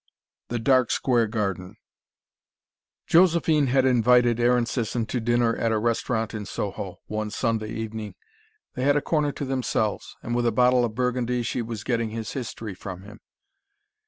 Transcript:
THE DARK SQUARE GARDEN Josephine had invited Aaron Sisson to dinner at a restaurant in Soho, one Sunday evening. They had a corner to themselves, and with a bottle of Burgundy she was getting his history from him.